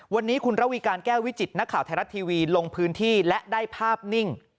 วันนี้คุณระวีการแก้ววิจิตนักข่าวไทยรัฐทีวีลงพื้นที่และได้ภาพนิ่ง